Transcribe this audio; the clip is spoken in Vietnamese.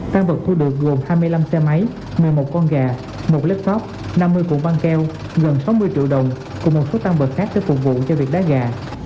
tăng vật quy định gồm hai mươi năm xe máy một mươi một con gà một lít phót năm mươi cụm băng keo gần sáu mươi triệu đồng cùng một số tăng vật khác để phục vụ cho việc đá gà